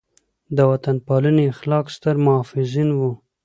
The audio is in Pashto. د وطن پالنې اخلاق ستر محافظین وو.